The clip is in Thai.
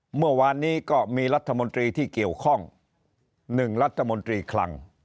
เมื่อวานนี้ก็มีรัฐมนตรีที่เกี่ยวข้อง๑รัฐมนตรีคลัง